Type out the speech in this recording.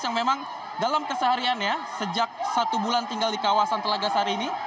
yang memang dalam kesehariannya sejak satu bulan tinggal di kawasan telaga sari ini